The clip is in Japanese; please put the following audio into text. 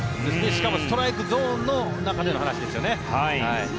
しかもストライクゾーンの中での話ですよね。